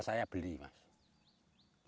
saya berharap di hutan peta tujuh